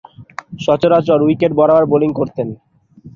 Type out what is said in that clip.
সচরাচর উইকেট বরাবর বোলিং করতেন।